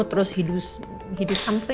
terus dia lakukan sesuatu